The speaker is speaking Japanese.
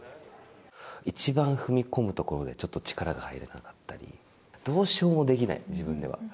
一番踏み込むところで、ちょっと力が入らなかったり、どうしようもできない、自分では。